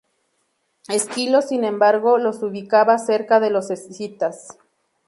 Esquilo, sin embargo, los ubicaba cerca de los escitas.